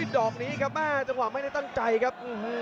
ดอกนี้ครับแม่จังหวะไม่ได้ตั้งใจครับ